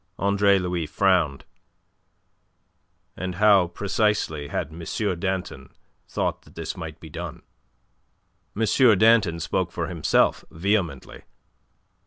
Andre Louis frowned. "And how, precisely, had M. Danton thought that this might be done?" M. Danton spoke for himself, vehemently.